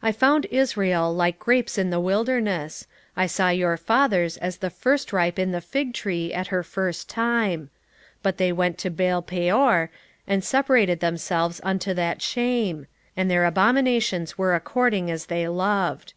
9:10 I found Israel like grapes in the wilderness; I saw your fathers as the firstripe in the fig tree at her first time: but they went to Baalpeor, and separated themselves unto that shame; and their abominations were according as they loved.